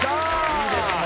いいですね